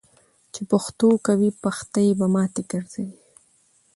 چی پښتو کوی ، پښتي به ماتی ګرځوي .